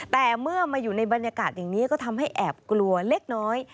แต่เมื่อมาอยู่ในบรรยากาศอย่างนี้ก็ทำให้แอบกลัวเล็กน้อย